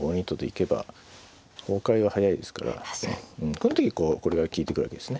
この時にこうこれが利いてくるわけですね。